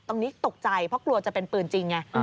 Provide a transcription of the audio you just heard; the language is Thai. ตกใจเพราะกลัวจะเป็นปืนจริงไง